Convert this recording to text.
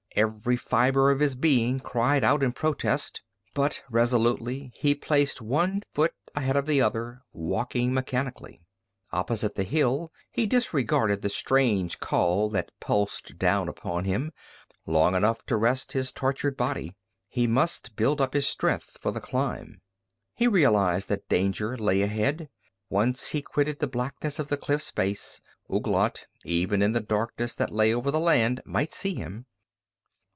Every fiber of his being cried out in protest, but resolutely he placed one foot ahead of the other, walking mechanically. Opposite the hill he disregarded the strange call that pulsed down upon him, long enough to rest his tortured body. He must build up his strength for the climb. He realized that danger lay ahead. Once he quitted the blackness of the cliff's base, Ouglat, even in the darkness that lay over the land, might see him.